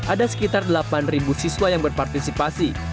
ada sekitar delapan siswa yang berpartisipasi